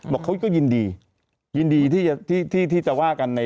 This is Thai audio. บอกว่าเขาก็ยินดีที่จะว่ากัน